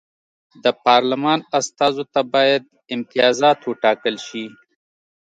د پارلمان استازو ته باید امتیازات وټاکل شي.